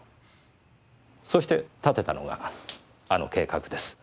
そして立てたのがあの計画です。